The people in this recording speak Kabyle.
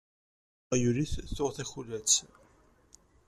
Tiγyulit tuγ lakulat.